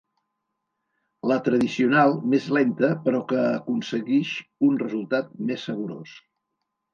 La tradicional, més lenta però que aconseguix un resultat més saborós.